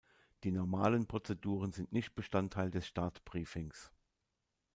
Die normalen Prozeduren sind nicht Bestandteil des Start-Briefings.